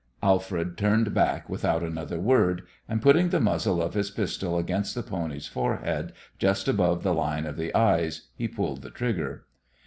Alfred turned back without another word, and putting the muzzle of his pistol against the pony's forehead just above the line of the eyes he pulled the trigger.